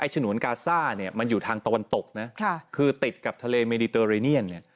ฉนวนกาซ่ามันอยู่ทางตะวันตกคือติดกับทะเลเมดิเตอร์เรเนียน